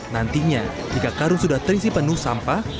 nantinya jika karung sudah terisi penuh sampah